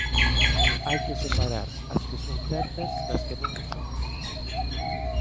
Hai que separar as que son certas das que non o son.